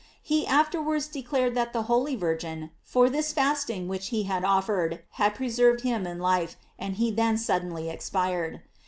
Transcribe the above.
He afterwards de clared that the holy virgin, for this fasting which he had offered her, had preserved him in life, and he then suddenly expired.